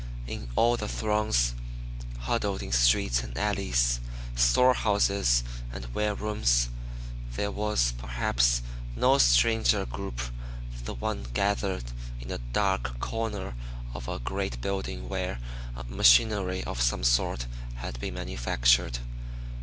In all the throngs, huddled in streets and alleys, storehouses and ware rooms, there was perhaps no stranger group than the one gathered in a dark corner of a great building where machinery of some sort had been manufactured.